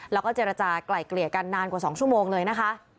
แล้วก็เจรจากลายเกลี่ยกันนานกว่า๒ชั่วโมงเลยนะคะ